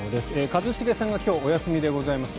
一茂さんが今日お休みでございます。